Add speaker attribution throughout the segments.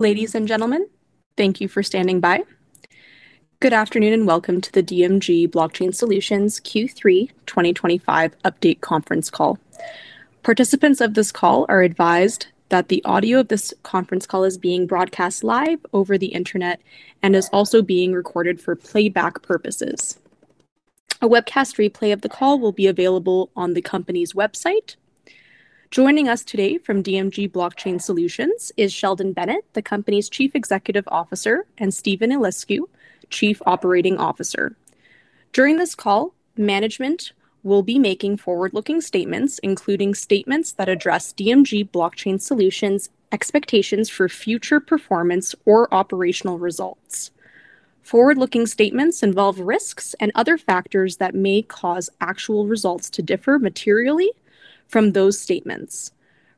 Speaker 1: Ladies and gentlemen, thank you for standing by. Good afternoon and welcome to the DMG Blockchain Solutions Q3 2025 Update Conference Call. Participants of this call are advised that the audio of this conference call is being broadcast live over the internet and is also being recorded for playback purposes. A webcast replay of the call will be available on the company's website. Joining us today from DMG Blockchain Solutions is Sheldon Bennett, the company's Chief Executive Officer, and Steven Eliscu, Chief Operating Officer. During this call, management will be making forward-looking statements, including statements that address DMG Blockchain Solutions' expectations for future performance or operational results. Forward-looking statements involve risks and other factors that may cause actual results to differ materially from those statements.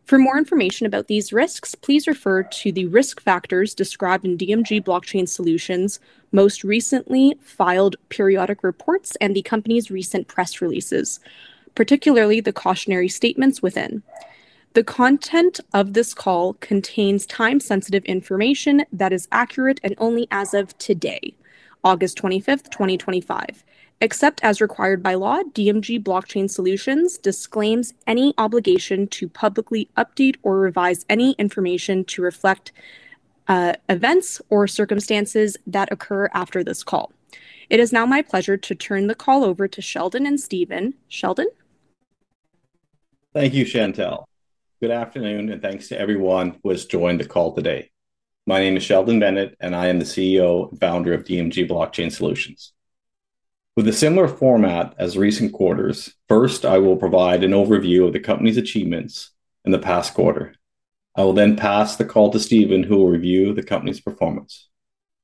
Speaker 1: For more information about these risks, please refer to the risk factors described in DMG Blockchain Solutions' most recently filed periodic reports and the company's recent press releases, particularly the cautionary statements within. The content of this call contains time-sensitive information that is accurate and only as of today, August 25th, 2025. Except as required by law, DMG Blockchain Solutions disclaims any obligation to publicly update or revise any information to reflect events or circumstances that occur after this call. It is now my pleasure to turn the call over to Sheldon and Steven. Sheldon?
Speaker 2: Thank you, Chantelle. Good afternoon and thanks to everyone who has joined the call today. My name is Sheldon Bennett and I am the CEO and founder of DMG Blockchain Solutions. With a similar format as recent quarters, first I will provide an overview of the company's achievements in the past quarter. I will then pass the call to Steven, who will review the company's performance.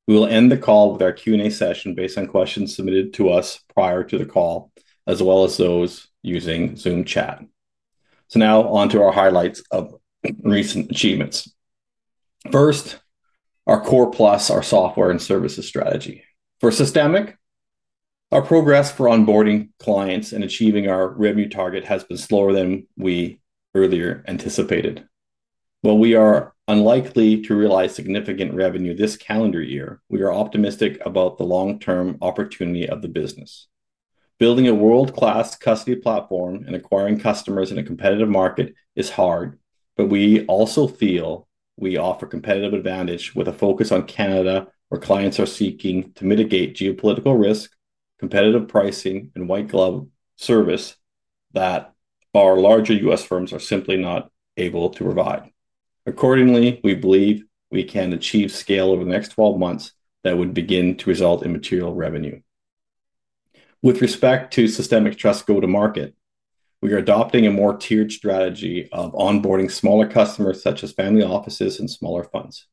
Speaker 2: We will end the call with our Q&A session based on questions submitted to us prior to the call, as well as those using Zoom chat. Now on to our highlights of recent achievements. First, our Core+ software and services strategy. For Systemic Trust, our progress for onboarding clients and achieving our revenue target has been slower than we earlier anticipated. While we are unlikely to realize significant revenue this calendar year, we are optimistic about the long-term opportunity of the business. Building a world-class custody platform and acquiring customers in a competitive market is hard, but we also feel we offer a competitive advantage with a focus on Canada, where clients are seeking to mitigate geopolitical risk, competitive pricing, and white-glove service that our larger U.S. firms are simply not able to provide. Accordingly, we believe we can achieve scale over the next 12 months that would begin to result in material revenue. With respect to Systemic Trust go-to-market, we are adopting a more tiered strategy of onboarding smaller customers, such as family offices and smaller funds.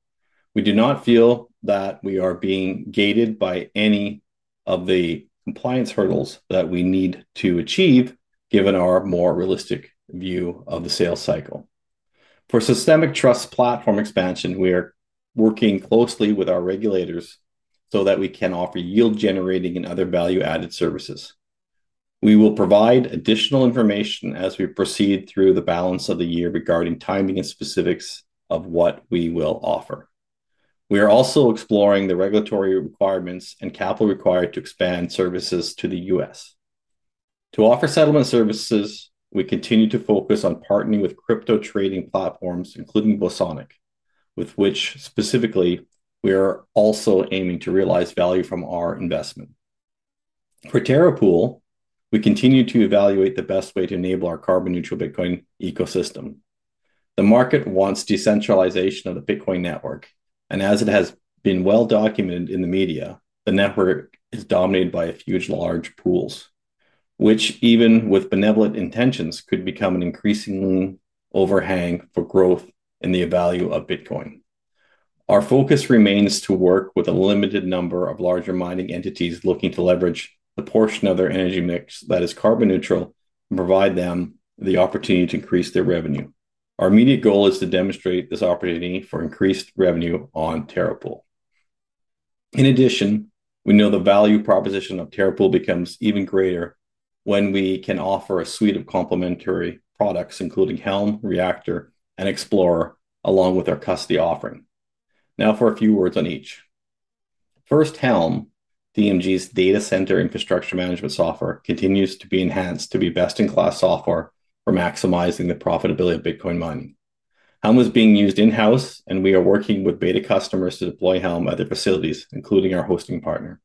Speaker 2: We do not feel that we are being gated by any of the compliance hurdles that we need to achieve, given our more realistic view of the sales cycle. For Systemic Trust platform expansion, we are working closely with our regulators so that we can offer yield-generating and other value-added services. We will provide additional information as we proceed through the balance of the year regarding timing and specifics of what we will offer. We are also exploring the regulatory requirements and capital required to expand services to the U.S. To offer settlement services, we continue to focus on partnering with crypto trading platforms, including Bosonic, with which specifically we are also aiming to realize value from our investment. For Terra Pool, we continue to evaluate the best way to enable our carbon-neutral Bitcoin ecosystem. The market wants decentralization of the Bitcoin network, and as it has been well documented in the media, the network is dominated by huge, large pools, which, even with benevolent intentions, could become an increasing overhang for growth in the value of Bitcoin. Our focus remains to work with a limited number of larger mining entities looking to leverage the portion of their energy mix that is carbon neutral and provide them the opportunity to increase their revenue. Our immediate goal is to demonstrate this opportunity for increased revenue on Terra Pool. In addition, we know the value proposition of Terra Pool becomes even greater when we can offer a suite of complementary products, including Helm, Reactor, and Explorer, along with our custody offering. Now for a few words on each. First, Helm, DMG's data center infrastructure management software, continues to be enhanced to be best-in-class software for maximizing the profitability of Bitcoin mining. Helm is being used in-house, and we are working with beta customers to deploy Helm at their facilities, including our hosting partner.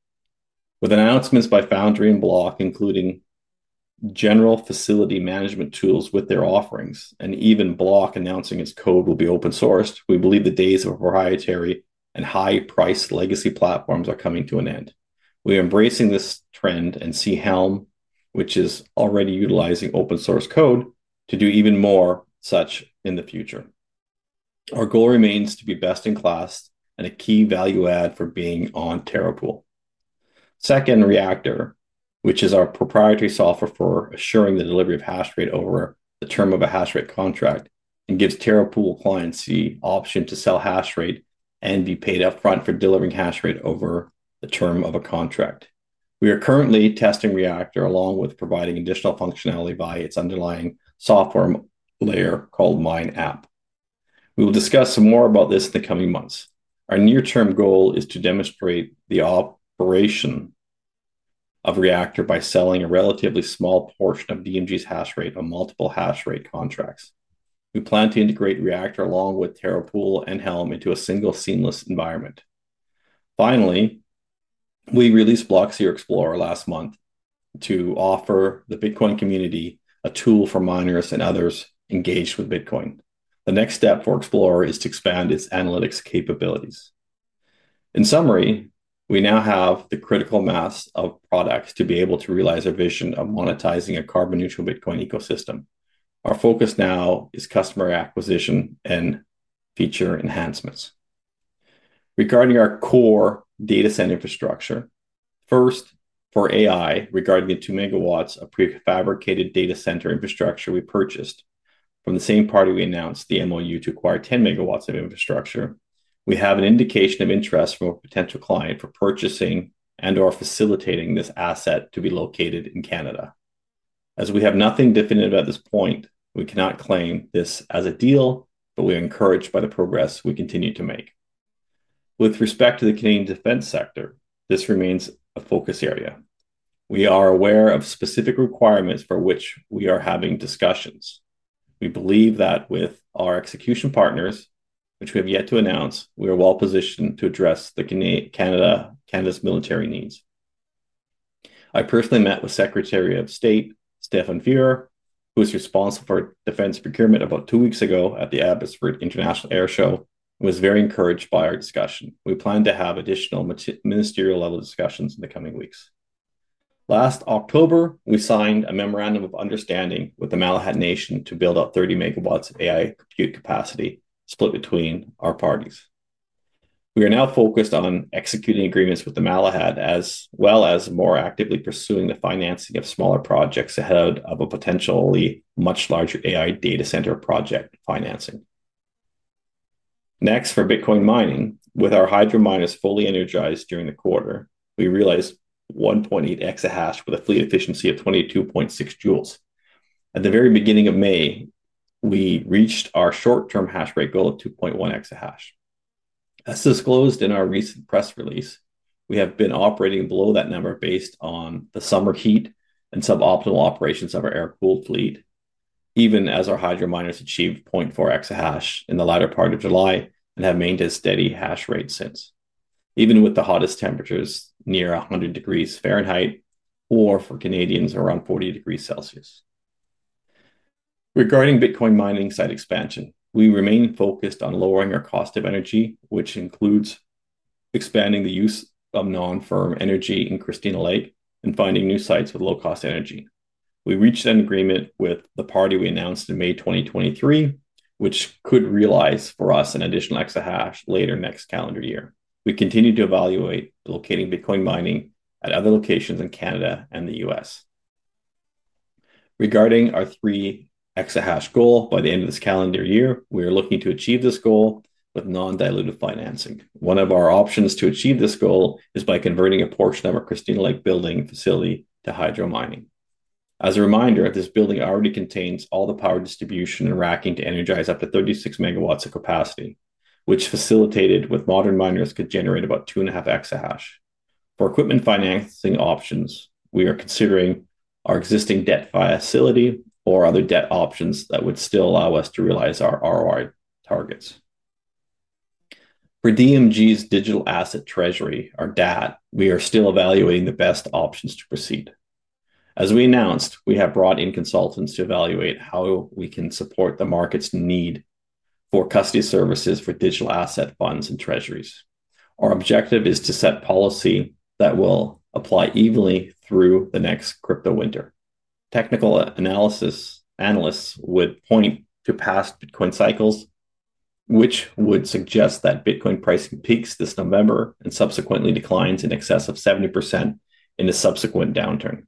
Speaker 2: With announcements by Foundry and Block, including general facility management tools with their offerings, and even Block announcing its code will be open sourced, we believe the days of proprietary and high-priced legacy platforms are coming to an end. We are embracing this trend and see Helm, which is already utilizing open source code, to do even more such in the future. Our goal remains to be best in class and a key value add for being on Terra Pool. Second, Reactor, which is our proprietary software for assuring the delivery of H/s over the term of a H/s contract, and gives Terra Pool clients the option to sell H/s and be paid upfront for delivering H/s over the term of a contract. We are currently testing Reactor, along with providing additional functionality by its underlying software layer called MineApp. We will discuss some more about this in the coming months. Our near-term goal is to demonstrate the operation of Reactor by selling a relatively small portion of DMG's H/s on multiple H/s contracts. We plan to integrate Reactor along with Terra Pool and Helm into a single seamless environment. Finally, we released Blockseer Explorer last month to offer the Bitcoin community a tool for miners and others engaged with Bitcoin. The next step for Explorer is to expand its analytics capabilities. In summary, we now have the critical mass of products to be able to realize our vision of monetizing a carbon-neutral Bitcoin ecosystem. Our focus now is customer acquisition and feature enhancements. Regarding our core data center infrastructure, first, for AI, regarding the 2 MW of prefabricated data center infrastructure we purchased. From the same party, we announced the MOU to acquire 10 MW of infrastructure. We have an indication of interest from a potential client for purchasing and/or facilitating this asset to be located in Canada. As we have nothing definitive at this point, we cannot claim this as a deal, but we are encouraged by the progress we continue to make. With respect to the Canadian defense sector, this remains a focus area. We are aware of specific requirements for which we are having discussions. We believe that with our execution partners, which we have yet to announce, we are well positioned to address Canada's military needs. I personally met with Secretary of State Stephen Fuhr, who is responsible for defense procurement, about two weeks ago at the Abbotsford International Airshow and was very encouraged by our discussion. We plan to have additional ministerial-level discussions in the coming weeks. Last October, we signed a memorandum of understanding with the Malahat Nation to build out 30 MW of AI compute capacity split between our parties. We are now focused on executing agreements with the Malahat, as well as more actively pursuing the financing of smaller projects ahead of a potentially much larger AI data center project financing. Next, for Bitcoin mining, with our hydrominer fully energized during the quarter, we realized 1.8 EH/s with a fleet efficiency of 22.6 J. At the very beginning of May, we reached our short-term H/s goal of 2.1 EH/s. As disclosed in our recent press release, we have been operating below that number based on the summer heat and suboptimal operations of our air-cooled fleet, even as our hydrominers achieved 0.4 EH/s in the latter part of July and have maintained a steady H/s since, even with the hottest temperatures near 100°F or, for Canadians, around 40°C. Regarding Bitcoin mining site expansion, we remain focused on lowering our cost of energy, which includes expanding the use of non-firm energy in Christina Lake and finding new sites with low-cost energy. We reached an agreement with the party we announced in May 2023, which could realize for us an additional EH/s later next calendar year. We continue to evaluate locating Bitcoin mining at other locations in Canada and the U.S. Regarding our three EH/s goal, by the end of this calendar year, we are looking to achieve this goal with non-dilutive financing. One of our options to achieve this goal is by converting a portion of our Christina Lake facility to hydromining. As a reminder, this building already contains all the power distribution and racking to energize up to 36 MW of capacity, which, facilitated with modern miners, could generate about 2.5 EH/s. For equipment financing options, we are considering our existing debt via facility or other debt options that would still allow us to realize our ROI targets. For DMG Blockchain Solutions' digital asset treasury, our DAD, we are still evaluating the best options to proceed. As we announced, we have brought in consultants to evaluate how we can support the market's need for custody services for digital asset funds and treasuries. Our objective is to set policy that will apply evenly through the next crypto winter. Technical analysis analysts would point to past Bitcoin cycles, which would suggest that Bitcoin pricing peaks this November and subsequently declines in excess of 70% in a subsequent downturn.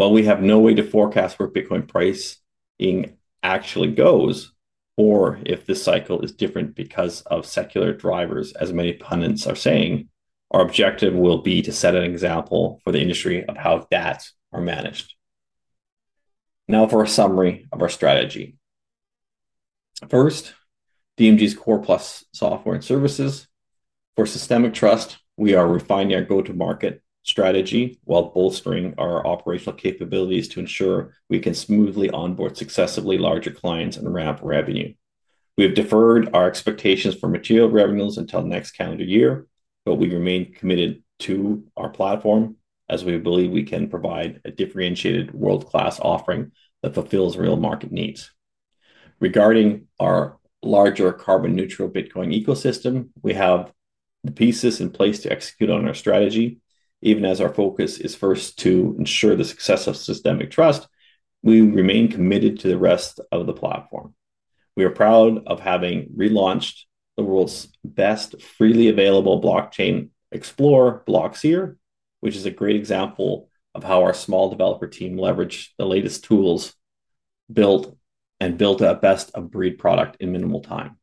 Speaker 2: While we have no way to forecast where Bitcoin pricing actually goes or if this cycle is different because of secular drivers, as many pundits are saying, our objective will be to set an example for the industry of how DADs are managed. Now for a summary of our strategy. First, DMG Blockchain Solutions' Core+ software and services. For Systemic Trust, we are refining our go-to-market strategy while bolstering our operational capabilities to ensure we can smoothly onboard successively larger clients and ramp revenue. We have deferred our expectations for material revenues until next calendar year, but we remain committed to our platform as we believe we can provide a differentiated world-class offering that fulfills real market needs. Regarding our larger carbon-neutral Bitcoin ecosystem, we have pieces in place to execute on our strategy. Even as our focus is first to ensure the success of Systemic Trust, we remain committed to the rest of the platform. We are proud of having relaunched the world's best freely available blockchain Explorer, Blockseer Explorer, which is a great example of how our small developer team leveraged the latest tools and built our best-of-breed product in minimal time.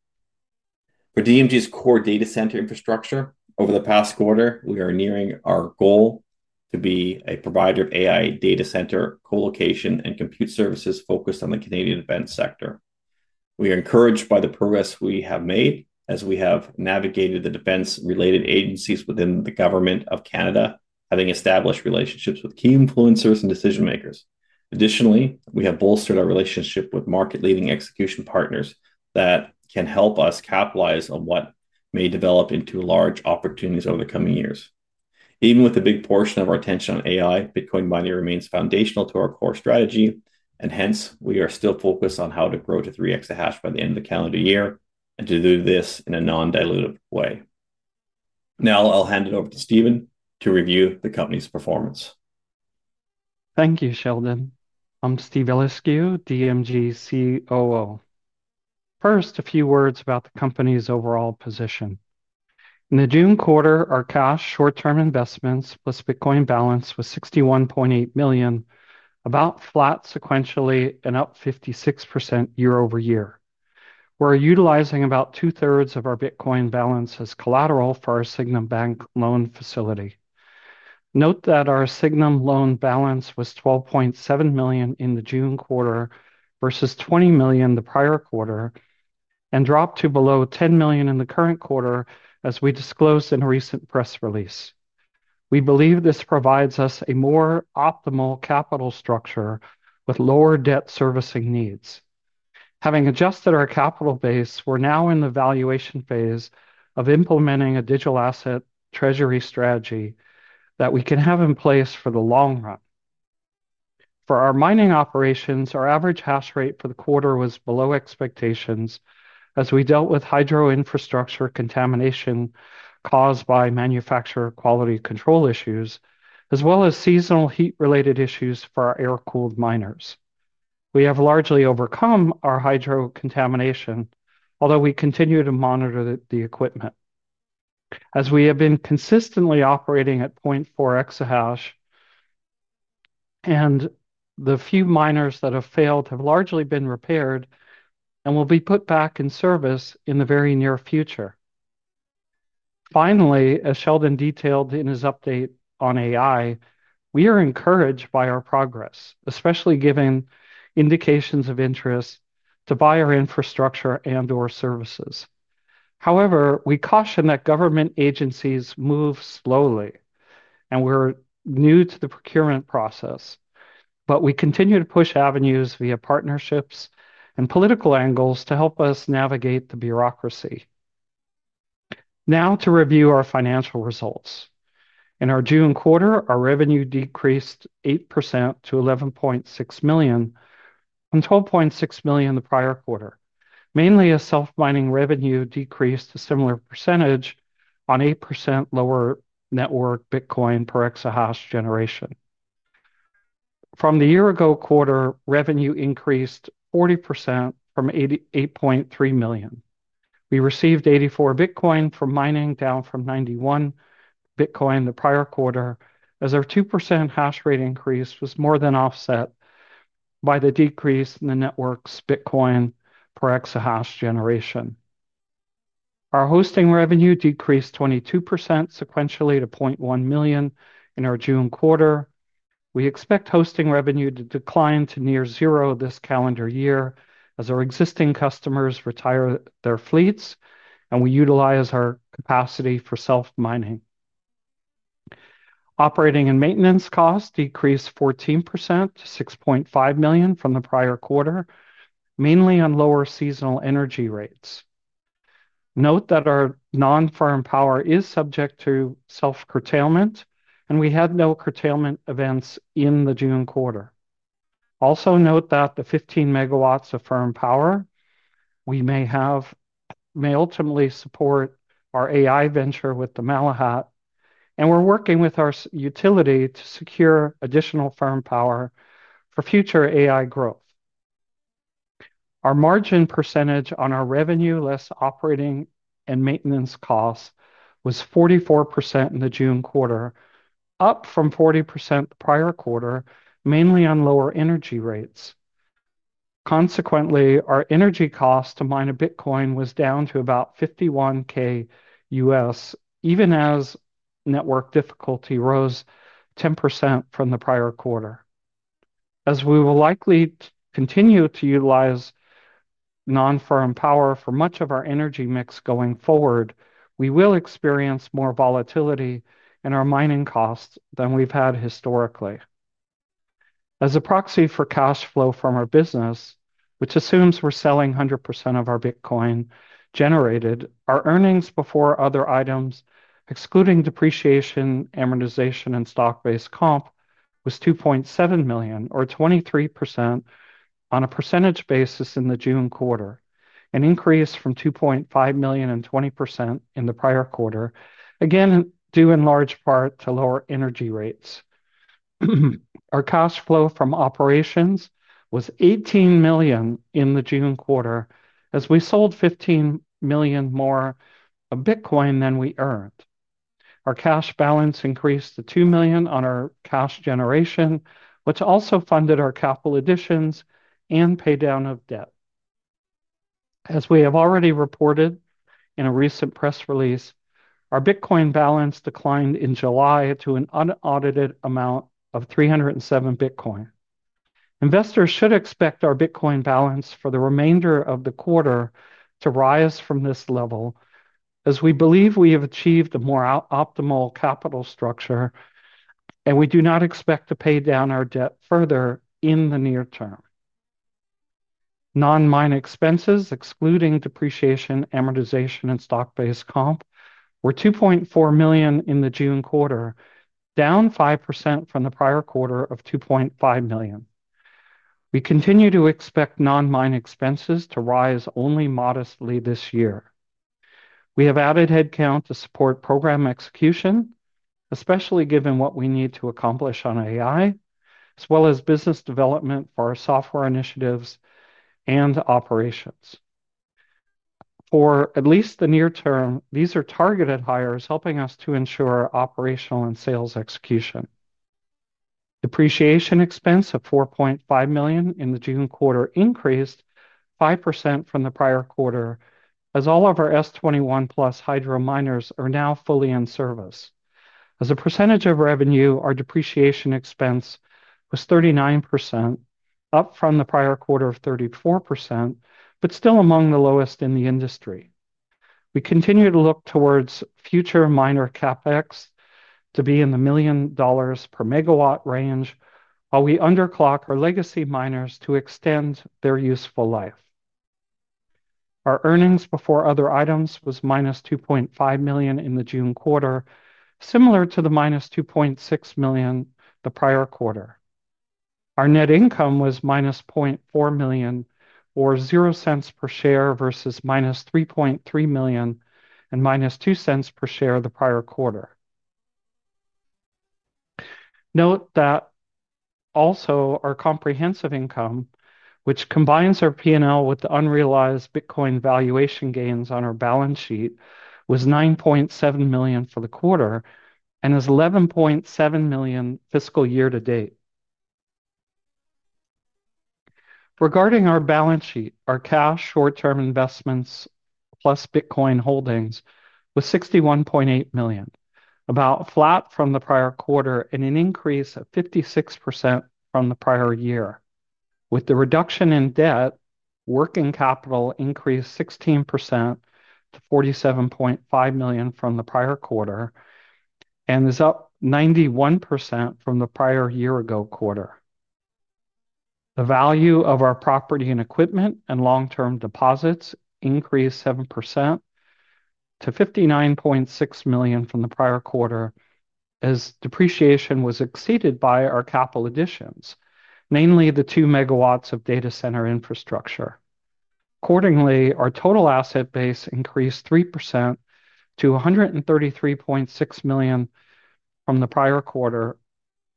Speaker 2: For DMG Blockchain Solutions' core data center infrastructure, over the past quarter, we are nearing our goal to be a provider of AI data center colocation and compute services focused on the Canadian defense sector. We are encouraged by the progress we have made as we have navigated the defense-related agencies within the government of Canada, having established relationships with key influencers and decision makers. Additionally, we have bolstered our relationship with market-leading execution partners that can help us capitalize on what may develop into large opportunities over the coming years. Even with a big portion of our attention on AI, Bitcoin mining remains foundational to our core strategy, and hence we are still focused on how to grow to 3 EH/s by the end of the calendar year and to do this in a non-dilutive way. Now I'll hand it over to Steven to review the company's performance.
Speaker 3: Thank you, Sheldon. I'm Steven Eliscu, DMG COO. First, a few words about the company's overall position. In the June quarter, our cash, short-term investments plus Bitcoin balance was $61.8 million, about flat sequentially and up 56% year-over year. We're utilizing about 2/3 of our Bitcoin balance as collateral for our Sygnum Bank loan facility. Note that our Sygnum loan balance was $12.7 million in the June quarter versus $20 million the prior quarter and dropped to below $10 million in the current quarter, as we disclosed in a recent press release. We believe this provides us a more optimal capital structure with lower debt servicing needs. Having adjusted our capital base, we're now in the valuation phase of implementing a digital asset treasury strategy that we can have in place for the long run. For our mining operations, our average H/s for the quarter was below expectations as we dealt with hydroinfrastructure contamination caused by manufacturer quality control issues, as well as seasonal heat-related issues for our air-cooled miners. We have largely overcome our hydro contamination, although we continue to monitor the equipment. As we have been consistently operating at 0.4 EH/s, the few miners that have failed have largely been repaired and will be put back in service in the very near future. Finally, as Sheldon detailed in his update on AI, we are encouraged by our progress, especially given indications of interest to buy our infrastructure and/or services. However, we caution that government agencies move slowly and we're new to the procurement process, but we continue to push avenues via partnerships and political angles to help us navigate the bureaucracy. Now to review our financial results. In our June quarter, our revenue decreased 8% to $11.6 million from $12.6 million in the prior quarter, mainly as self-mining revenue decreased a similar percentage on 8% lower network Bitcoin per EH/s generation. From the year-ago quarter, revenue increased 40% from $8.83 million. We received 84 Bitcoin from mining, down from 91 Bitcoin in the prior quarter, as our 2% H/s increase was more than offset by the decrease in the network's Bitcoin per EH/s generation. Our hosting revenue decreased 22% sequentially to $0.1 million in our June quarter. We expect hosting revenue to decline to near zero this calendar year as our existing customers retire their fleets and we utilize our capacity for self-mining. Operating and maintenance costs decreased 14% to $6.5 million from the prior quarter, mainly on lower seasonal energy rates. Note that our non-firm power is subject to self-curtailment, and we had no curtailment events in the June quarter. Also, note that the 15 MW of firm power we may have may ultimately support our AI venture with the Malahat Nation, and we're working with our utility to secure additional firm power for future AI growth. Our margin percentage on our revenue less operating and maintenance costs was 44% in the June quarter, up from 40% the prior quarter, mainly on lower energy rates. Consequently, our energy cost to mine a Bitcoin was down to about $51,000 even as network difficulty rose 10% from the prior quarter. As we will likely continue to utilize non-firm power for much of our energy mix going forward, we will experience more volatility in our mining costs than we've had historically. As a proxy for cash flow from our business, which assumes we're selling 100% of our Bitcoin generated, our EBIT, excluding depreciation, amortization, and stock-based comp, was $2.7 million or 23% on a percentage basis in the June quarter, an increase from $2.5 million and 20% in the prior quarter, again due in large part to lower energy rates. Our cash flow from operations was $18 million in the June quarter, as we sold $15 million more Bitcoin than we earned. Our cash balance increased to $2 million on our cash generation, which also funded our capital additions and paydown of debt. As we have already reported in a recent press release, our Bitcoin balance declined in July to an unaudited amount of XBT 307. Investors should expect our Bitcoin balance for the remainder of the quarter to rise from this level, as we believe we have achieved a more optimal capital structure, and we do not expect to pay down our debt further in the near term. Non-mining expenses, excluding depreciation, amortization, and stock-based comp, were $2.4 million in the June quarter, down 5% from the prior quarter of $2.5 million. We continue to expect non-mining expenses to rise only modestly this year. We have added headcount to support program execution, especially given what we need to accomplish on AI, as well as business development for our software initiatives and operations. For at least the near term, these are targeted hires helping us to ensure operational and sales execution. Depreciation expense of $4.5 million in the June quarter increased 5% from the prior quarter, as all of our S21+ hydro miners are now fully in service. As a percentage of revenue, our depreciation expense was 39%, up from the prior quarter of 34%, but still among the lowest in the industry. We continue to look towards future miner CapEx to be in the $1 million/MW range, while we underclock our legacy miners to extend their useful life. Our earnings before other items were -$2.5 million in the June quarter, similar to the -$2.6 million the prior quarter. Our net income was -$0.4 million or $0.00 per share versus -$3.3 million and -$0.02 per share the prior quarter. Note that also our comprehensive income, which combines our P&L with the unrealized Bitcoin valuation gains on our balance sheet, was $9.7 million for the quarter and is $11.7 million fiscal year to date. Regarding our balance sheet, our cash, short-term investments plus Bitcoin holdings were $61.8 million, about flat from the prior quarter and an increase of 56% from the prior year. With the reduction in debt, working capital increased 16% to $47.5 million from the prior quarter and is up 91% from the prior year-ago quarter. The value of our property and equipment and long-term deposits increased 7% to $59.6 million from the prior quarter, as depreciation was exceeded by our capital additions, namely the 2 MW of data center infrastructure. Accordingly, our total asset base increased 3% to $133.6 million from the prior quarter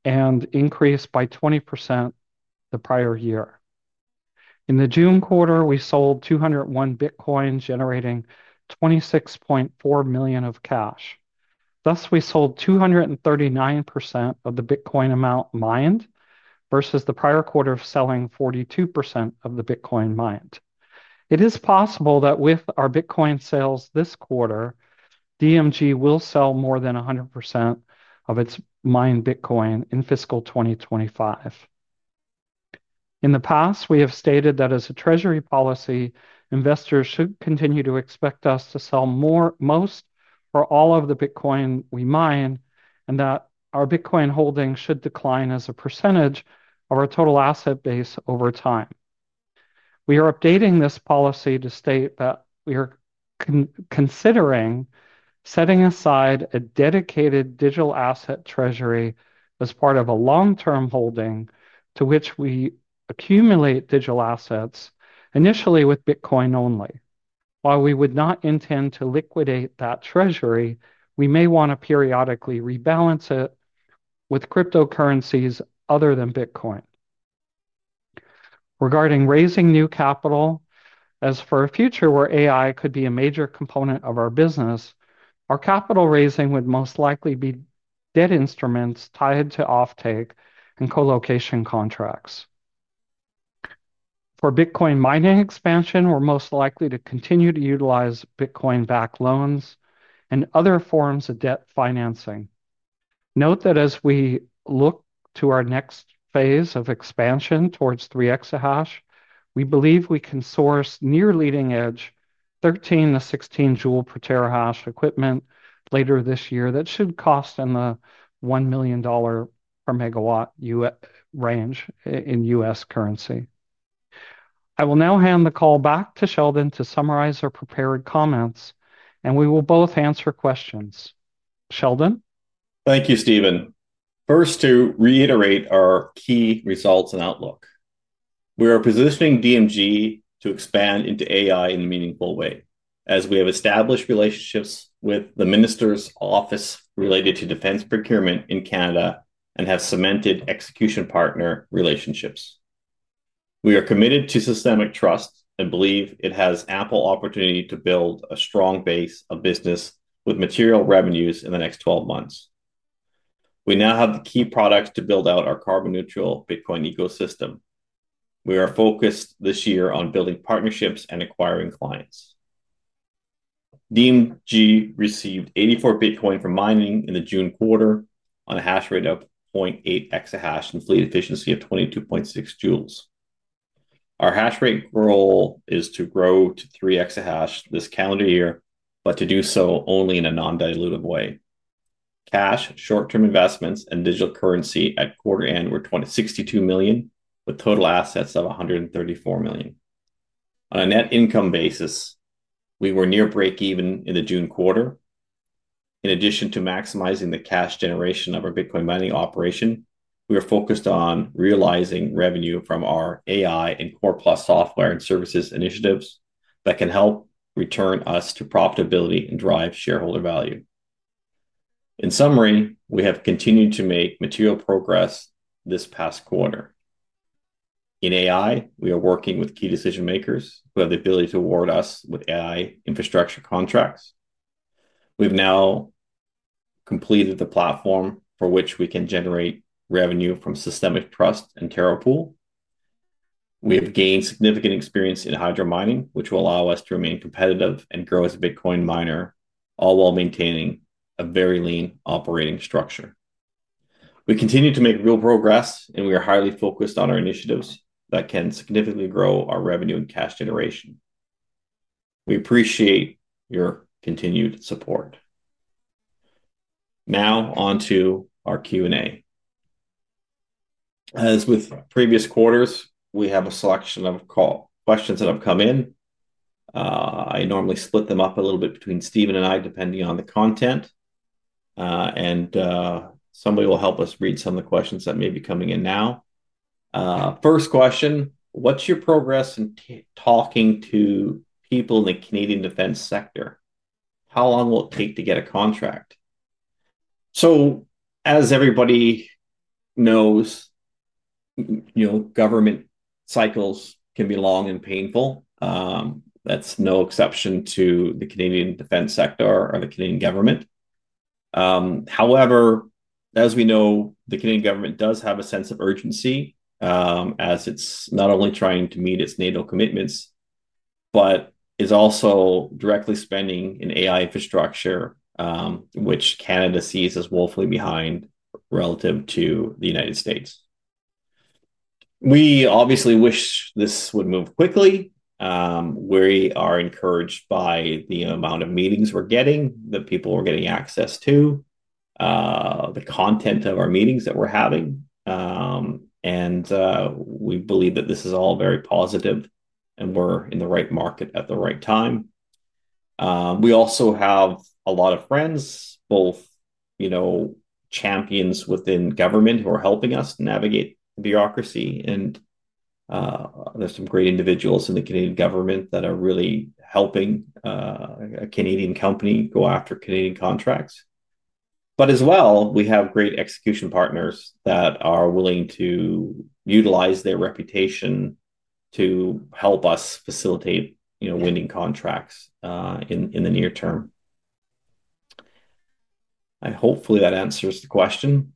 Speaker 3: and increased by 20% the prior year. In the June quarter, we sold 201 Bitcoin, generating $26.4 million of cash. Thus, we sold 239% of the Bitcoin amount mined versus the prior quarter of selling 42% of the Bitcoin mined. It is possible that with our Bitcoin sales this quarter, DMG Blockchain Solutions will sell more than 100% of its mined Bitcoin in fiscal year 2025. In the past, we have stated that as a treasury policy, investors should continue to expect us to sell more, most, or all of the Bitcoin we mine, and that our Bitcoin holdings should decline as a percentage of our total asset base over time. We are updating this policy to state that we are considering setting aside a dedicated digital asset treasury as part of a long-term holding to which we accumulate digital assets, initially with Bitcoin only. While we would not intend to liquidate that treasury, we may want to periodically rebalance it with cryptocurrencies other than Bitcoin. Regarding raising new capital, as for a future where AI could be a major component of our business, our capital raising would most likely be debt instruments tied to offtake and colocation contracts. For Bitcoin mining expansion, we're most likely to continue to utilize Bitcoin-backed loans and other forms of debt financing. Note that as we look to our next phase of expansion towards 3 EH/s, we believe we can source near leading-edge 13-16 J/TH equipment later this year that should cost in the $1 million/MW range in U.S. currency. I will now hand the call back to Sheldon to summarize our prepared comments, and we will both answer questions. Sheldon.
Speaker 2: Thank you, Steven. First, to reiterate our key results and outlook. We are positioning DMG Blockchain Solutions to expand into AI in a meaningful way, as we have established relationships with the Minister's Office related to defense procurement in Canada and have cemented execution partner relationships. We are committed to Systemic Trust and believe it has ample opportunity to build a strong base of business with material revenues in the next 12 months. We now have the key products to build out our carbon-neutral Bitcoin ecosystem. We are focused this year on building partnerships and acquiring clients. DMG Blockchain Solutions received XBT 84 from mining in the June quarter on a H/s of 0.8 EH/s and fleet efficiency of 22.6 J. Our H/s goal is to grow to 3 EH/s this calendar year, but to do so only in a non-dilutive way. Cash, short-term investments, and digital currency at quarter end were $62 million with total assets of $134 million. On a net income basis, we were near break-even in the June quarter. In addition to maximizing the cash generation of our Bitcoin mining operation, we are focused on realizing revenue from our AI and Core+ software and services initiatives that can help return us to profitability and drive shareholder value. In summary, we have continued to make material progress this past quarter. In AI, we are working with key decision makers who have the ability to award us with AI infrastructure contracts. We've now completed the platform for which we can generate revenue from Systemic Trust and Terra Pool. We have gained significant experience in hydromining, which will allow us to remain competitive and grow as a Bitcoin miner, all while maintaining a very lean operating structure. We continue to make real progress, and we are highly focused on our initiatives that can significantly grow our revenue and cash generation. We appreciate your continued support. Now on to our Q&A. As with previous quarters, we have a selection of questions that have come in. I normally split them up a little bit between Steven and I, depending on the content, and somebody will help us read some of the questions that may be coming in now. First question, what's your progress in talking to people in the Canadian defense sector? How long will it take to get a contract? As everybody knows, government cycles can be long and painful. That's no exception to the Canadian defense sector or the Canadian government. However, as we know, the Canadian government does have a sense of urgency, as it's not only trying to meet its NATO commitments, but is also directly spending in AI infrastructure, which Canada sees as woefully behind relative to the United States. We obviously wish this would move quickly. We are encouraged by the amount of meetings we're getting, the people we're getting access to, the content of our meetings that we're having, and we believe that this is all very positive and we're in the right market at the right time. We also have a lot of friends, both champions within government who are helping us navigate bureaucracy, and there's some great individuals in the Canadian government that are really helping a Canadian company go after Canadian contracts. We have great execution partners that are willing to utilize their reputation to help us facilitate winning contracts in the near term. Hopefully that answers the question.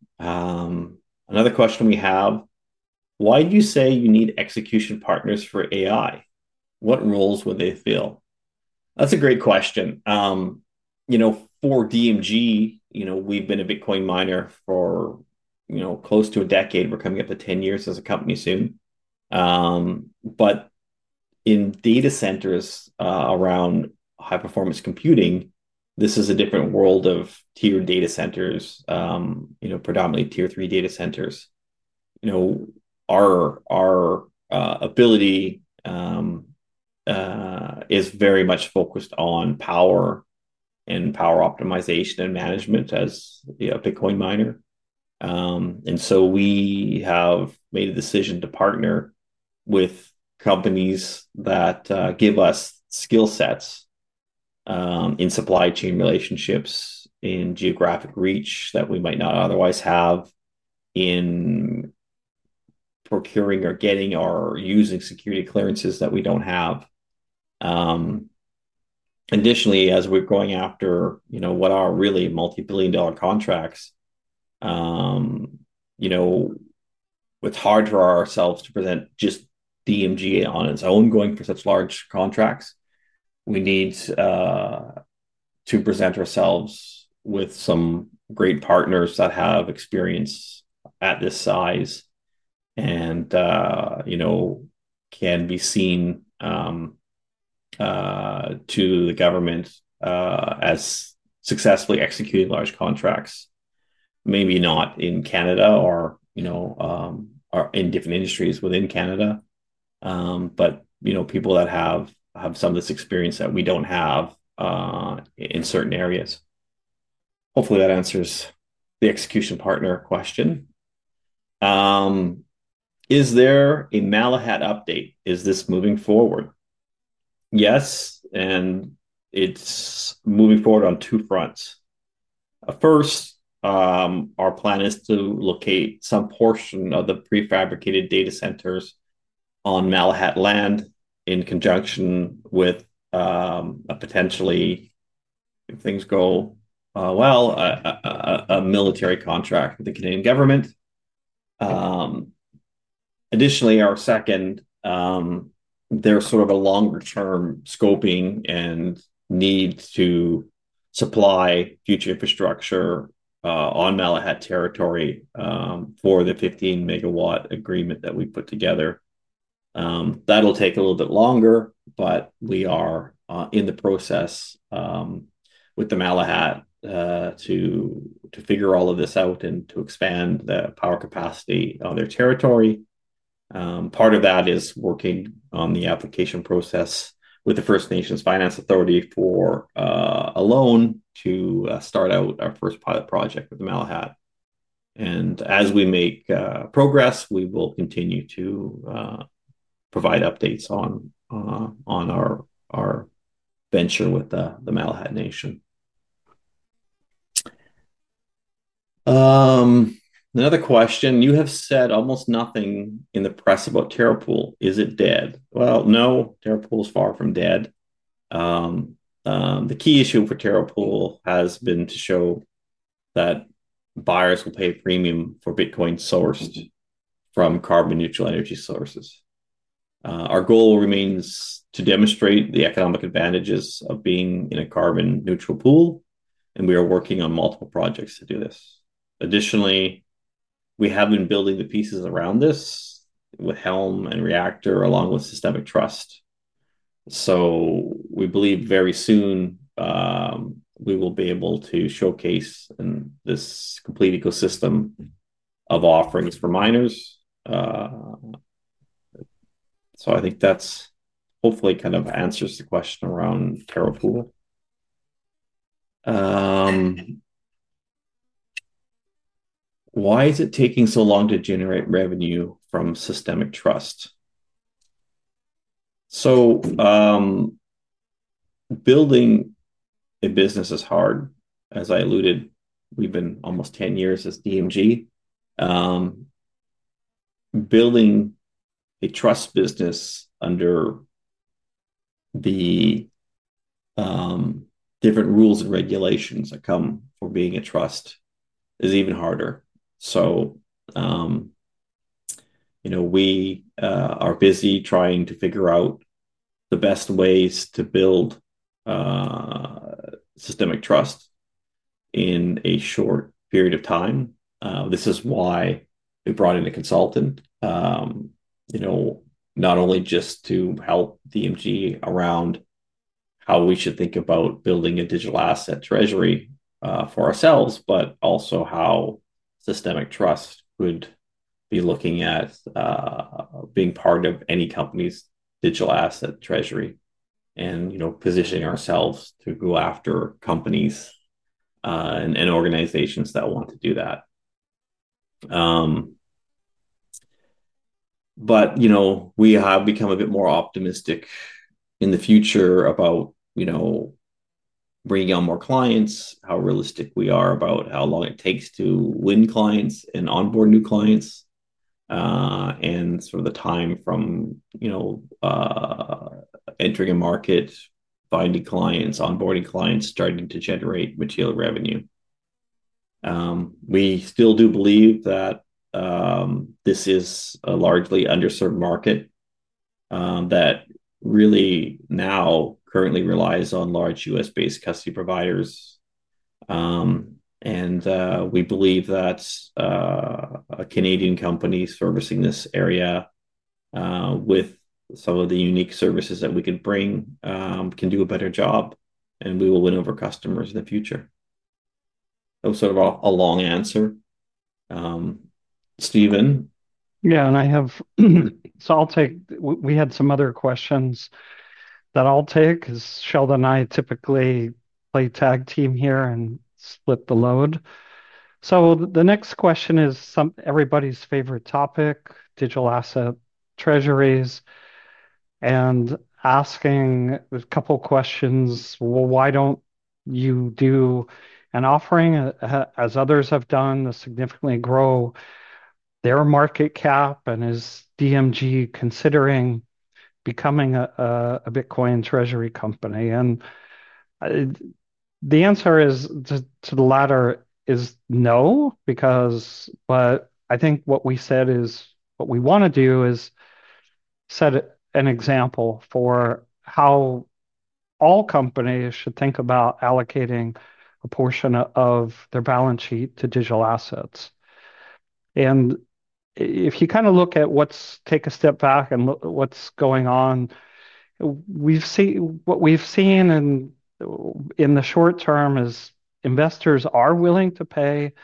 Speaker 2: Another question we have, why do you say you need execution partners for AI? What roles would they fill? That's a great question. For DMG, we've been a Bitcoin miner for close to a decade. We're coming up to 10 years as a company soon. In data centers around high-performance computing, this is a different world of tiered data centers, predominantly tier three data centers. Our ability is very much focused on power and power optimization and management as a Bitcoin miner. We have made a decision to partner with companies that give us skill sets in supply chain relationships, in geographic reach that we might not otherwise have, in procuring or getting or using security clearances that we don't have. Additionally, as we're going after what are really multi-billion dollar contracts, it's hard for ourselves to present just DMG on its own going for such large contracts. We need to present ourselves with some great partners that have experience at this size and can be seen to the government as successfully executing large contracts. Maybe not in Canada or in different industries within Canada, but people that have some of this experience that we don't have in certain areas. Hopefully, that answers the execution partner question. Is there a Malahat update? Is this moving forward? Yes, and it's moving forward on two fronts. First, our plan is to locate some portion of the prefabricated data centers on Malahat land in conjunction with a potentially, if things go well, a military contract with the Canadian government. Additionally, our second, there's sort of a longer-term scoping and need to supply future infrastructure on Malahat territory for the 15 MW agreement that we put together. That'll take a little bit longer, but we are in the process with the Malahat to figure all of this out and to expand the power capacity on their territory. Part of that is working on the application process with the First Nations Finance Authority for a loan to start out our first pilot project with Malahat. As we make progress, we will continue to provide updates on our venture with the Malahat Nation. Another question, you have said almost nothing in the press about Terra Pool. Is it dead? Terra Pool is far from dead. The key issue for Terra Pool has been to show that buyers will pay a premium for Bitcoin sourced from carbon-neutral energy sources. Our goal remains to demonstrate the economic advantages of being in a carbon-neutral pool, and we are working on multiple projects to do this. Additionally, we have been building the pieces around this with Helm and Reactor, along with Systemic Trust. We believe very soon we will be able to showcase this complete ecosystem of offerings for miners. I think that hopefully kind of answers the question around Terra Pool. Why is it taking so long to generate revenue from Systemic Trust? Building a business is hard. As I alluded, we've been almost 10 years as DMG. Building a trust business under the different rules and regulations that come with being a trust is even harder. We are busy trying to figure out the best ways to build Systemic Trust in a short period of time. This is why we brought in a consultant, not only just to help DMG around how we should think about building a digital asset treasury for ourselves, but also how Systemic Trust would be looking at being part of any company's digital asset treasury and positioning ourselves to go after companies and organizations that want to do that. We have become a bit more optimistic in the future about bringing on more clients, how realistic we are about how long it takes to win clients and onboard new clients, and sort of the time from entering a market, finding clients, onboarding clients, starting to generate material revenue. We still do believe that this is a largely underserved market that really now currently relies on large U.S.-based custody providers. We believe that a Canadian company servicing this area with some of the unique services that we can bring can do a better job, and we will win over customers in the future. That was sort of a long answer. Steven?
Speaker 3: Yeah, and I have, so I'll take, we had some other questions that I'll take because Sheldon and I typically play tag team here and split the load. The next question is everybody's favorite topic, digital asset treasuries, and asking a couple of questions. Why don't you do an offering as others have done to significantly grow their market cap? Is DMG considering becoming a Bitcoin treasury company? The answer to the latter is no because, but I think what we said is what we want to do is set an example for how all companies should think about allocating a portion of their balance sheet to digital assets. If you kind of look at what's, take a step back and look at what's going on, we've seen what we've seen in the short term is investors are willing to pay,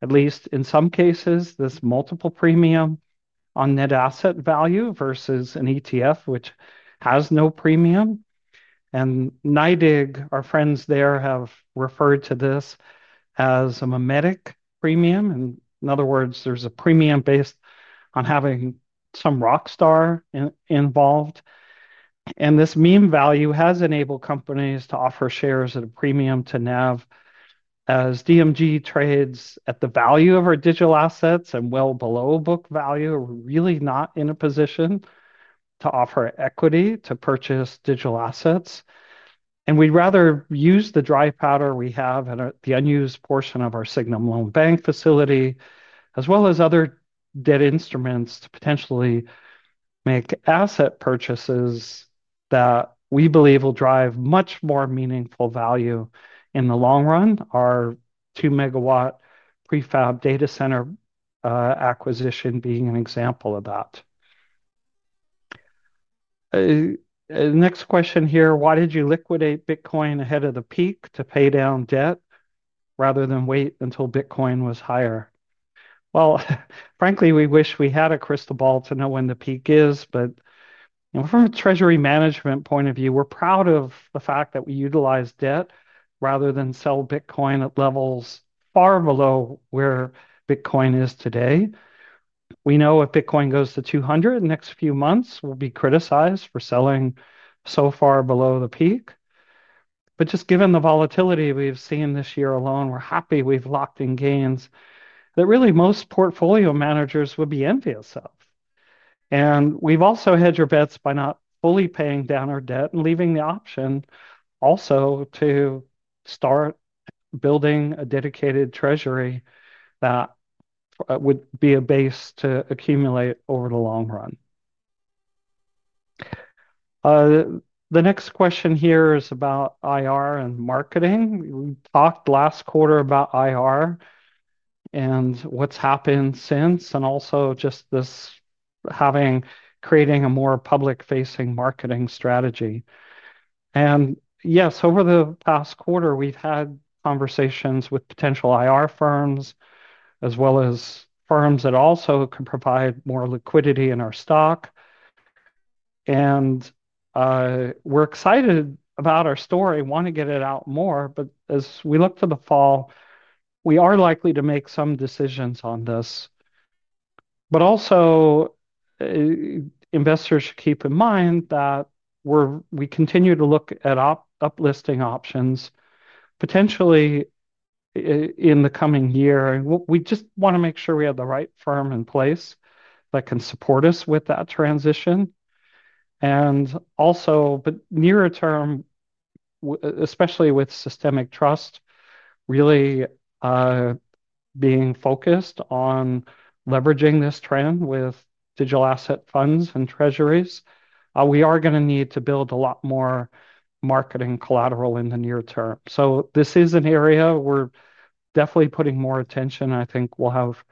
Speaker 3: at least in some cases, this multiple premium on NAV versus an ETF, which has no premium. NYDIG, our friends there, have referred to this as a memetic premium. In other words, there's a premium based on having some rock star involved. This meme value has enabled companies to offer shares at a premium to NAV. As DMG trades at the value of our digital assets and well below book value, we're really not in a position to offer equity to purchase digital assets. We'd rather use the dry powder we have at the unused portion of our Sygnum Bank loan facility, as well as other debt instruments, to potentially make asset purchases that we believe will drive much more meaningful value in the long run, our two-MW prefab data center acquisition being an example of that. Next question here, why did you liquidate Bitcoin ahead of the peak to pay down debt rather than wait until Bitcoin was higher? Frankly, we wish we had a crystal ball to know when the peak is, but from a treasury management point of view, we're proud of the fact that we utilize debt rather than sell Bitcoin at levels far below where Bitcoin is today. We know if Bitcoin goes to $200,000 in the next few months, we'll be criticized for selling so far below the peak. Just given the volatility we've seen this year alone, we're happy we've locked in gains that really most portfolio managers would be envious of. We've also hedged our bets by not fully paying down our debt and leaving the option also to start building a dedicated treasury that would be a base to accumulate over the long run. The next question here is about IR and marketing. We talked last quarter about IR and what's happened since, and also just this having created a more public-facing marketing strategy. Yes, over the past quarter, we've had conversations with potential IR firms, as well as firms that also can provide more liquidity in our stock. We're excited about our story, want to get it out more, but as we look to the fall, we are likely to make some decisions on this. Investors should keep in mind that we continue to look at uplisting options potentially in the coming year. We just want to make sure we have the right firm in place that can support us with that transition. Also, nearer term, especially with Systemic Trust really being focused on leveraging this trend with digital asset funds and treasuries, we are going to need to build a lot more marketing collateral in the near term. This is an area we're definitely putting more attention, and I think we'll have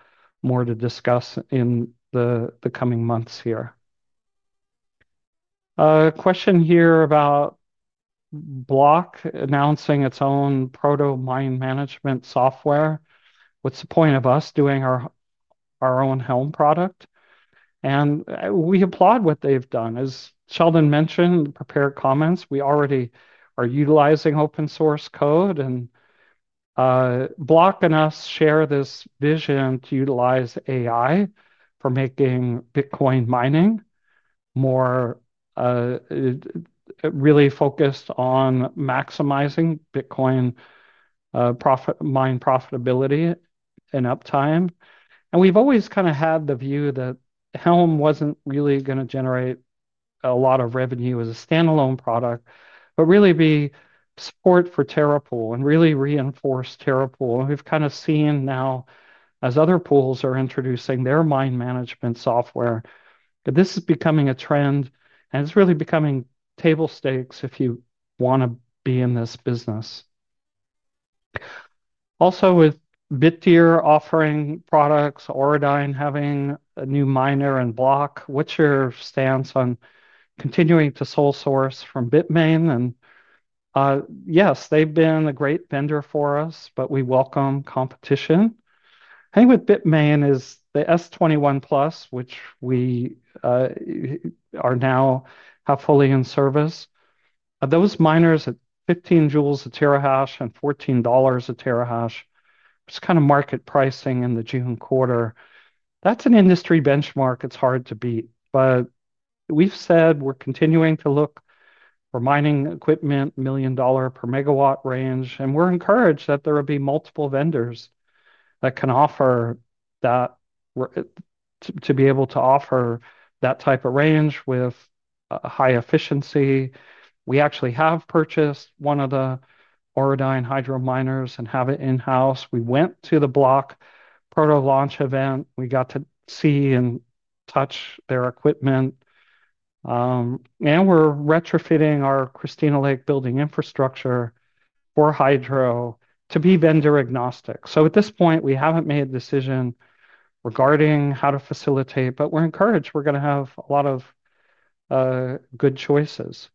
Speaker 3: more to discuss in the coming months here. A question here about Block announcing its own proto mine management software. What's the point of us doing our own Helm product? We applaud what they've done. As Sheldon mentioned, prepared comments, we already are utilizing open source code, and Block and us share this vision to utilize AI for making Bitcoin mining more really focused on maximizing Bitcoin mine profitability and uptime. We've always kind of had the view that Helm wasn't really going to generate a lot of revenue as a standalone product, but really be support for Terra Pool and really reinforce Terra Pool. We've kind of seen now as other pools are introducing their mine management software, that this is becoming a trend and it's really becoming table stakes if you want to be in this business. Also, with BitTier offering products, Auradine having a new miner and Block, what's your stance on continuing to sole source from Bitmain? Yes, they've been a great vendor for us, but we welcome competition. I think with Bitmain is the S21+, which we are now fully in service. Those miners at 15 J a TH/s and $14 a TH/s, just kind of market pricing in the June quarter, that's an industry benchmark it's hard to beat. We've said we're continuing to look for mining equipment, million dollar per MW range, and we're encouraged that there will be multiple vendors that can offer that to be able to offer that type of range with high efficiency. We actually have purchased one of the Auradine hydro miners and have it in-house. We went to the Block proto launch event. We got to see and touch their equipment. We're retrofitting our Christina Lake building infrastructure for Hydro to be vendor agnostic. At this point, we haven't made a decision regarding how to facilitate, but we're encouraged. We're going to have a lot of good choices.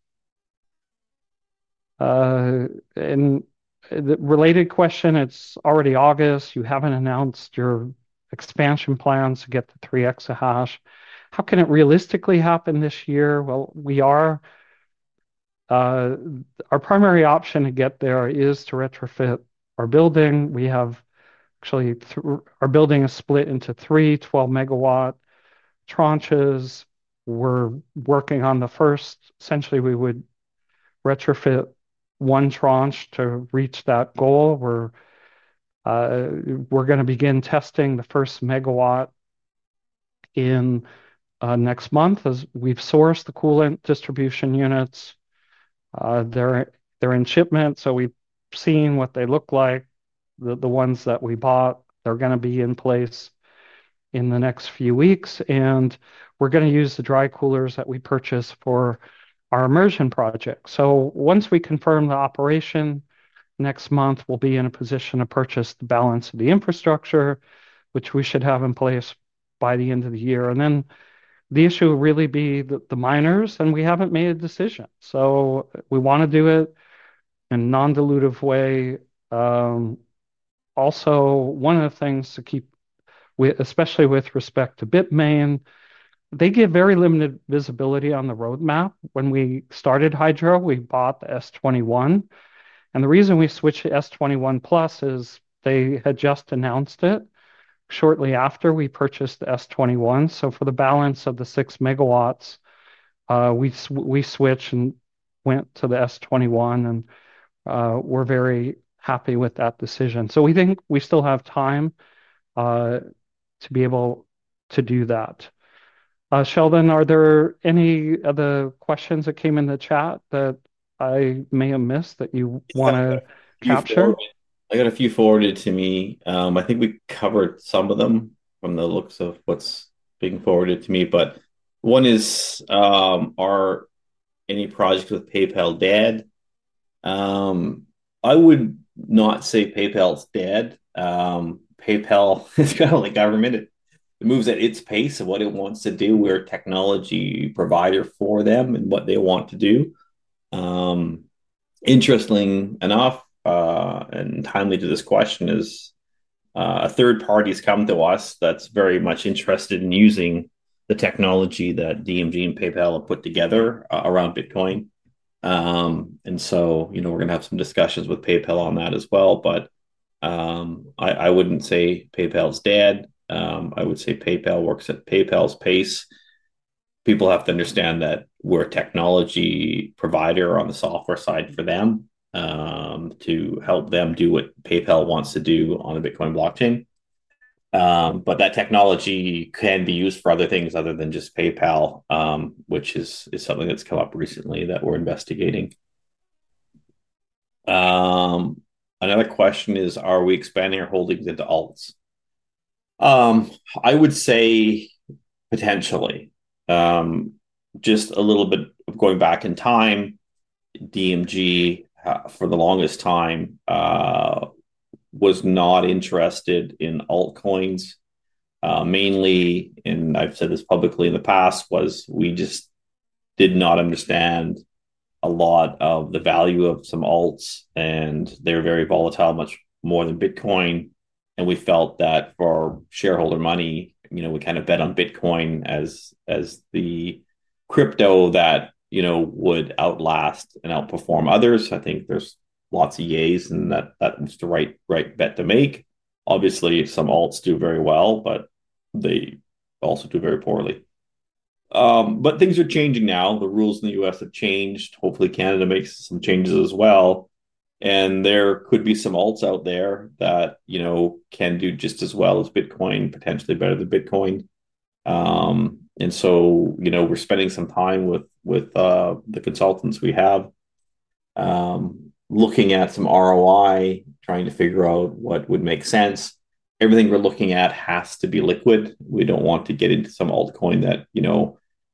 Speaker 3: The related question, it's already August. You haven't announced your expansion plans to get to 3 EH/s. How can it realistically happen this year? Our primary option to get there is to retrofit our building. Our building is split into three 12 MW tranches. We're working on the first. Essentially, we would retrofit one tranche to reach that goal. We're going to begin testing the first MW next month as we've sourced the coolant distribution units. They're in shipment, so we've seen what they look like. The ones that we bought are going to be in place in the next few weeks, and we're going to use the dry coolers that we purchased for our immersion project. Once we confirm the operation next month, we'll be in a position to purchase the balance of the infrastructure, which we should have in place by the end of the year. The issue will really be the miners, and we haven't made a decision. We want to do it in a non-dilutive way. Also, one of the things to keep, especially with respect to Bitmain, they give very limited visibility on the roadmap. When we started Hydro, we bought the S21, and the reason we switched to S21+ is they had just announced it shortly after we purchased the S21. For the balance of the 6 MWs, we switched and went to the S21, and we're very happy with that decision. We think we still have time to be able to do that. Sheldon, are there any other questions that came in the chat that I may have missed that you want to capture?
Speaker 2: I got a few forwarded to me. I think we covered some of them from the looks of what's being forwarded to me, but one is, are any projects with PayPal dead? I would not say PayPal is dead. PayPal is kind of like government. It moves at its pace of what it wants to do. We're a technology provider for them and what they want to do. Interesting enough, and timely to this question, is a third party has come to us that's very much interested in using the technology that DMG Blockchain Solutions and PayPal have put together around Bitcoin. We're going to have some discussions with PayPal on that as well, but I wouldn't say PayPal is dead. I would say PayPal works at PayPal's pace. People have to understand that we're a technology provider on the software side for them to help them do what PayPal wants to do on the Bitcoin blockchain. That technology can be used for other things other than just PayPal, which is something that's come up recently that we're investigating. Another question is, are we expanding our holdings into alts? I would say potentially. Just a little bit of going back in time, DMG Blockchain Solutions for the longest time was not interested in Altcoins. Mainly, and I've said this publicly in the past, was we just did not understand a lot of the value of some alts, and they're very volatile, much more than Bitcoin. We felt that for our shareholder money, we kind of bet on Bitcoin as the crypto that would outlast and outperform others. I think there's lots of yays in that. That's the right bet to make. Obviously, some alts do very well, but they also do very poorly. Things are changing now. The rules in the U.S. have changed. Hopefully, Canada makes some changes as well. There could be some alts out there that can do just as well as Bitcoin, potentially better than Bitcoin. We're spending some time with the consultants we have, looking at some ROI, trying to figure out what would make sense. Everything we're looking at has to be liquid. We don't want to get into some Altcoin that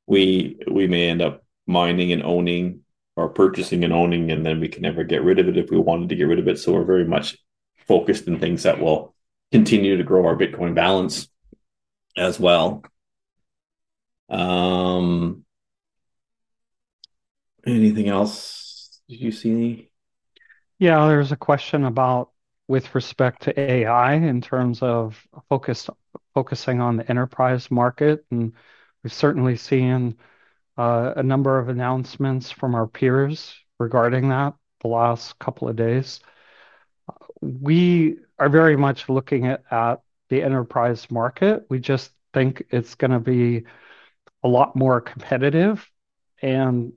Speaker 2: we may end up mining and owning or purchasing and owning, and then we can never get rid of it if we wanted to get rid of it. We're very much focused on things that will continue to grow our Bitcoin balance as well. Anything else you see?
Speaker 3: Yeah, there was a question about with respect to AI in terms of focusing on the enterprise market. We've certainly seen a number of announcements from our peers regarding that the last couple of days. We are very much looking at the enterprise market. We just think it's going to be a lot more competitive and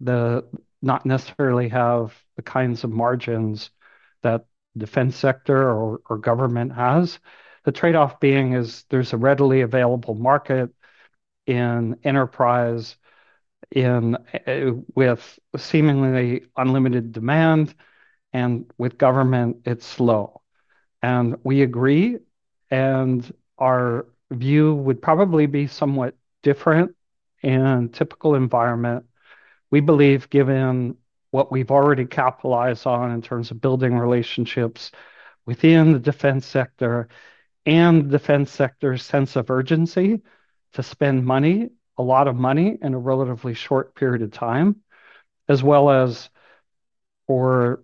Speaker 3: not necessarily have the kinds of margins that the defense sector or government has. The trade-off being is there's a readily available market in enterprise with seemingly unlimited demand, and with government, it's slow. We agree, and our view would probably be somewhat different in a typical environment. We believe, given what we've already capitalized on in terms of building relationships within the defense sector and the defense sector's sense of urgency to spend money, a lot of money in a relatively short period of time, as well as for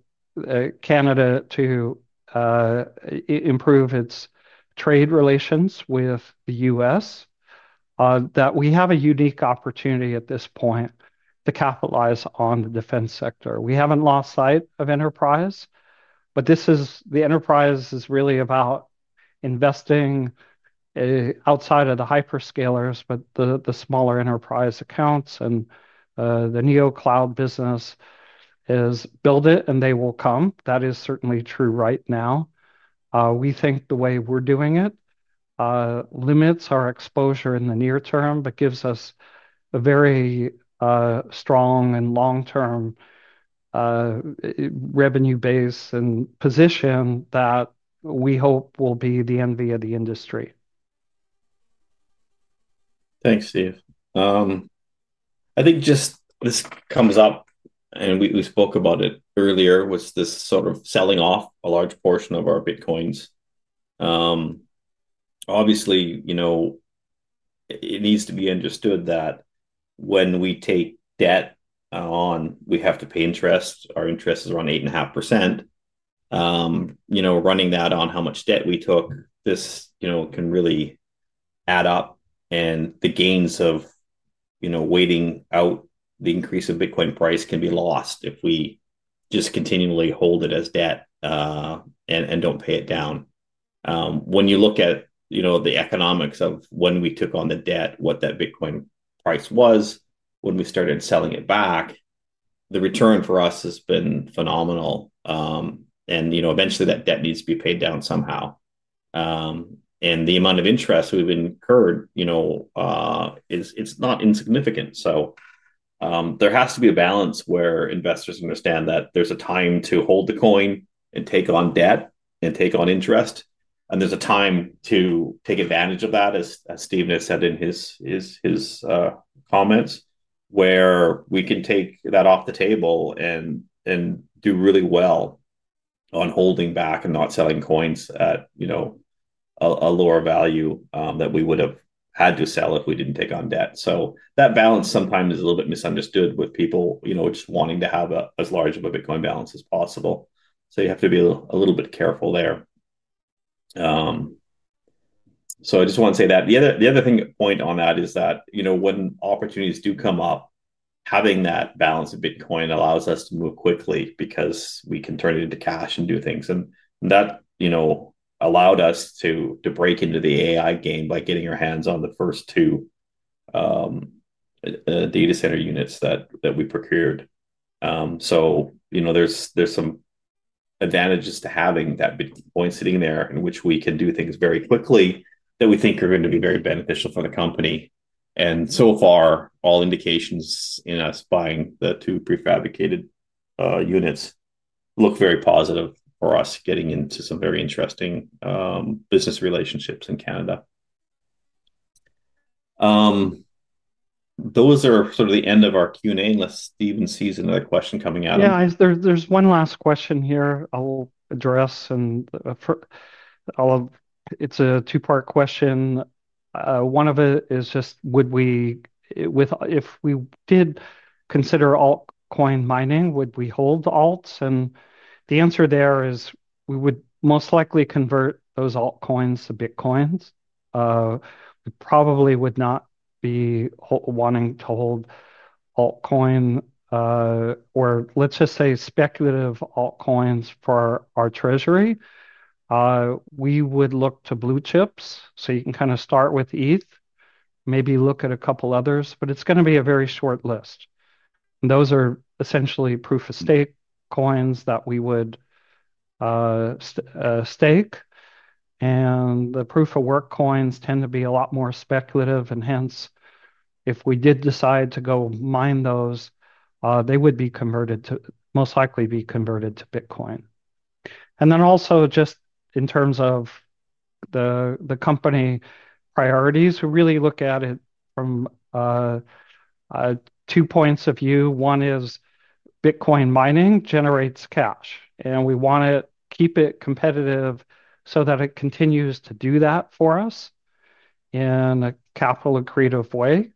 Speaker 3: Canada to improve its trade relations with the U.S., that we have a unique opportunity at this point to capitalize on the defense sector. We haven't lost sight of enterprise, but the enterprise is really about investing outside of the hyperscalers, but the smaller enterprise accounts and the neo-cloud business is build it, and they will come. That is certainly true right now. We think the way we're doing it limits our exposure in the near term, but gives us a very strong and long-term revenue base and position that we hope will be the envy of the industry.
Speaker 2: Thanks, Steven. I think just this comes up, and we spoke about it earlier, which is this sort of selling off a large portion of our Bitcoins. Obviously, it needs to be understood that when we take debt on, we have to pay interest. Our interest is around 8.5%. Running that on how much debt we took, this can really add up, and the gains of waiting out the increase of Bitcoin price can be lost if we just continually hold it as debt and don't pay it down. When you look at the economics of when we took on the debt, what that Bitcoin price was when we started selling it back, the return for us has been phenomenal. Eventually that debt needs to be paid down somehow. The amount of interest we've incurred, it's not insignificant. There has to be a balance where investors understand that there's a time to hold the coin and take on debt and take on interest, and there's a time to take advantage of that, as Steve has said in his comments, where we can take that off the table and do really well on holding back and not selling coins at a lower value that we would have had to sell if we didn't take on debt. That balance sometimes is a little bit misunderstood with people just wanting to have as large of a Bitcoin balance as possible. You have to be a little bit careful there. I just want to say that the other thing to point on that is that when opportunities do come up, having that balance of Bitcoin allows us to move quickly because we can turn it into cash and do things. That allowed us to break into the AI game by getting our hands on the first two data center units that we procured. There are some advantages to having that Bitcoin sitting there in which we can do things very quickly that we think are going to be very beneficial for the company. So far, all indications in us buying the two prefabricated units look very positive for us getting into some very interesting business relationships in Canada. Those are sort of the end of our Q&A. Unless Steven sees another question coming out of it.
Speaker 3: Yeah, there's one last question here I'll address. It's a two-part question. One of it is just, would we, if we did consider Altcoin mining, would we hold Alts? The answer there is we would most likely convert those Altcoins to Bitcoin. We probably would not be wanting to hold Altcoin or let's just say speculative Altcoins for our treasury. We would look to blue chips. You can kind of start with ETH, maybe look at a couple others, but it's going to be a very short list. Those are essentially proof-of-stake coins that we would stake. The proof-of-work coins tend to be a lot more speculative. Hence, if we did decide to go mine those, they would be converted to, most likely be converted to Bitcoin. Also, just in terms of the company priorities, we really look at it from two points of view. One is Bitcoin mining generates cash, and we want to keep it competitive so that it continues to do that for us in a capital-accretive way.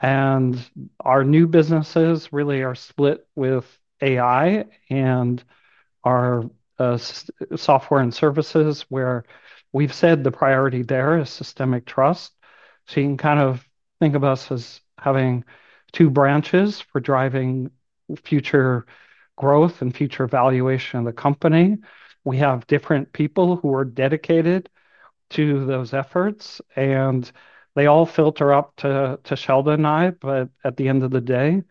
Speaker 3: Our new businesses really are split with AI and our software and services where we've said the priority there is Systemic Trust. You can kind of think of us as having two branches. We're driving future growth and future valuation of the company. We have different people who are dedicated to those efforts, and they all filter up to Sheldon and I, but at the end of the day,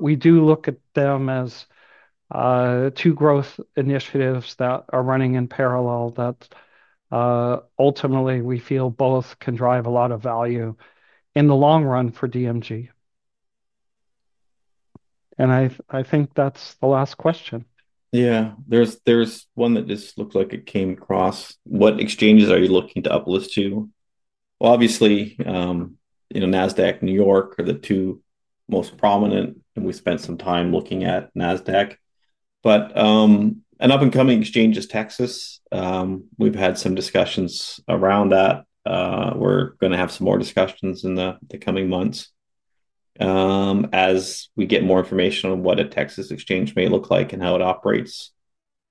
Speaker 3: we do look at them as two growth initiatives that are running in parallel that ultimately we feel both can drive a lot of value in the long run for DMG. I think that's the last question.
Speaker 2: Yeah, there's one that just looks like it came across. What exchanges are you looking to uplift to? Obviously, you know, NASDAQ, New York are the two most prominent, and we spent some time looking at NASDAQ. An up-and-coming exchange is Texas. We've had some discussions around that. We're going to have some more discussions in the coming months as we get more information on what a Texas exchange may look like and how it operates.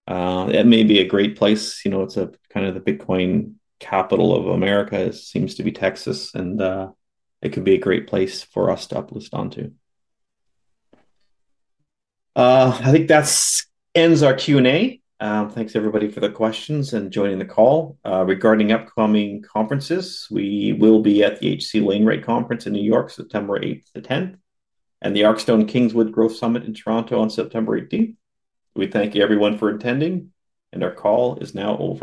Speaker 2: It may be a great place. You know, it's kind of the Bitcoin capital of America. It seems to be Texas, and it could be a great place for us to uplift onto. I think that ends our Q&A. Thanks everybody for the questions and joining the call. Regarding upcoming conferences, we will be at the HC Wainright Conference in New York, September 8th to 10th, and the ArcStone Kingswood Growth Summit in Toronto on September 18th. We thank you everyone for attending, and our call is now over.